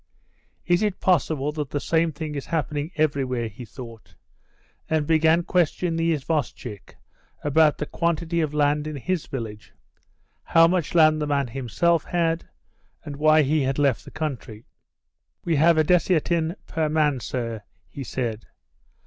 "Is it possible that the same thing is happening everywhere?" he thought, and began questioning the isvostchik about the quantity of land in his village, how much land the man himself had, and why he had left the country. "We have a desiatin per man, sir," he said.